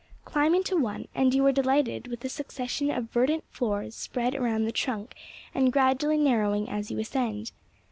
Climb into one, and you are delighted with a succession of verdant floors spread around the trunk and gradually narrowing as you ascend.